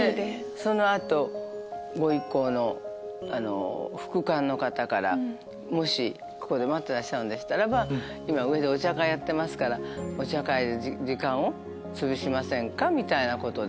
その後ご一行の副官の方から「もしここで待ってらっしゃるんでしたらば今上でお茶会やってますからお茶会で時間をつぶしませんか」みたいなことで。